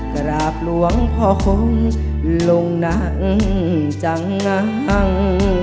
กราบหลวงพ่อคงลงหนังจังงัง